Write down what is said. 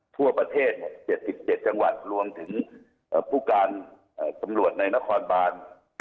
ทั่วประเทศ๗๗จังหวัดรวมถึงผู้การตำรวจในนครบาน